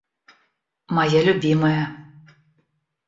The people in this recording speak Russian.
Моя любимая.